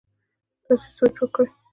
تاسي سوچ وکړئ!